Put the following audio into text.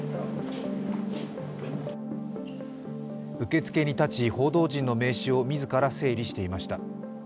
受付に立ち報道陣の名刺を自ら整理していました。